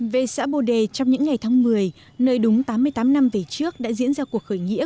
về xã bồ đề trong những ngày tháng một mươi nơi đúng tám mươi tám năm về trước đã diễn ra cuộc khởi nghĩa